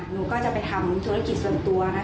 หนูก็จะไปทำธุรกิจส่วนตัวนะคะ